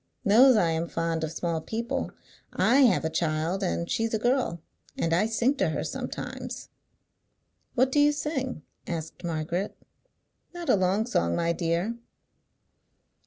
Knows I am fond of small people. I have a child, and she's a girl, and I sing to her sometimes." "What do you sing?" asked Margaret. "Not a long song, my dear.